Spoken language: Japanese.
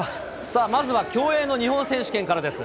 まずは競泳の日本選手権からです。